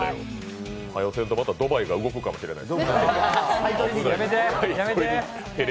早よせんと、またドバイが動くかもしれない。